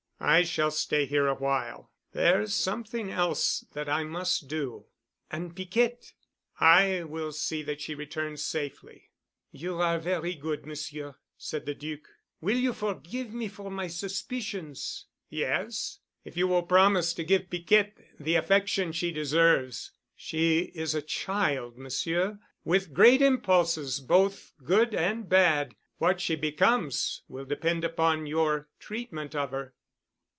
"I shall stay here awhile. There's something else that I must do." "And Piquette——?" "I will see that she returns safely." "You are very good, Monsieur," said the Duc. "Will you forgive me for my suspicions?" "Yes. If you will promise to give Piquette the affection she deserves. She is a child, Monsieur, with great impulses—both good and bad—what she becomes will depend upon your treatment of her."